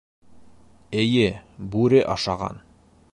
Әйе, бүре ашаған.